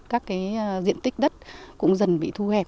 các diện tích đất cũng dần bị thu hẹp